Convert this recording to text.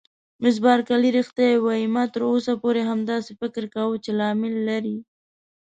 مس بارکلي: رښتیا وایې؟ ما تر اوسه پورې همداسې فکر کاوه چې لامل لري.